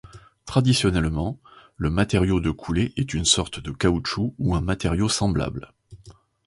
Traditionnellement, le matériau de coulée est une sorte de caoutchouc ou un matériau semblable.